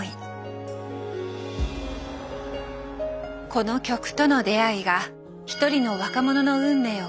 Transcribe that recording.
この曲との出会いが一人の若者の運命を変えた。